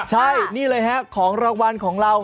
ใช่นี่เลยฮะของรางวัลของเรา